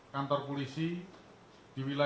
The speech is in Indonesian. baru mereka ke daerah daerah